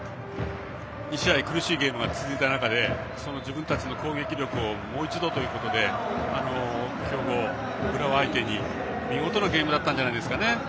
２試合苦しいゲームが続いた中で自分たちの攻撃力をもう一度ということで今日、浦和相手に見事なゲームだったんじゃないですかね。